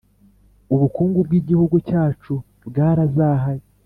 ubukungu bwigihugu cyacu bwarazahaye